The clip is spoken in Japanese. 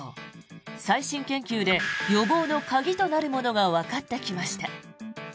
最新研究で予防の鍵となるものがわかってきました。